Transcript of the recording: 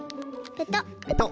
ペトッ。